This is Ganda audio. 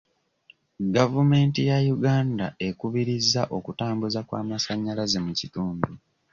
Gavumenti ya Uganda ekubirizza okutambuza kw'amasanyalaze mu kitundu.